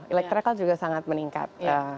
electric car juga sangat meningkat